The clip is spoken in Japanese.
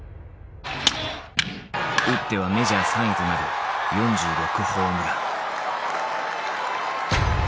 打ってはメジャー３位となる４６ホームラン。